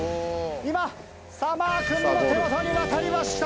今サマーくんの手元に渡りました！